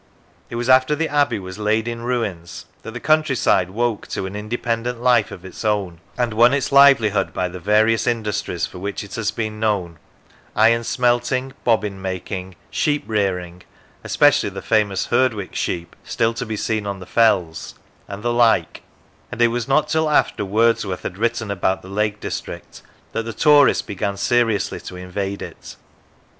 It was after the abbey was laid in ruins that the country side woke to an independent life of its own, and won its livelihood by the various industries for which it has been known iron smelting, bobbin making, sheep rearing (especially the famous Herdwick sheep, still to be seen on the fells), and the like and it was not till after Wordsworth had written about the Lake District that the tourist began seriously to invade it.